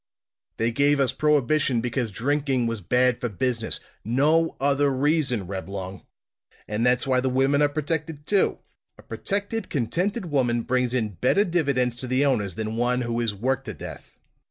"They gave us prohibition because drinking was bad for business; no other reason, Reblong! And that's why the women are protected, too; a protected, contented woman brings in better dividends to the owners than one who is worked to death.